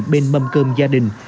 bên mâm cơm gia đình